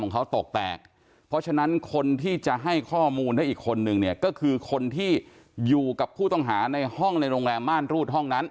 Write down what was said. ก็ถูกกับผู้ต้องหาในโรงแรมม่านรูดห้องนั้น